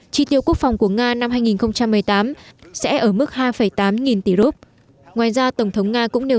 chi tiêu quốc phòng của nga năm hai nghìn một mươi tám sẽ ở mức hai tám nghìn tỷ rút ngoài ra tổng thống nga cũng nêu